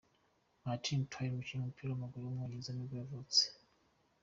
Martin Taylor, umukinnyi w’umupira w’amaguru w’umwongereza nibwo yavutse.